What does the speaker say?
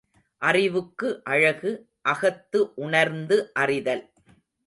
அறிவுக்கு அழகு அகத்து உணர்ந்து அறிதல்.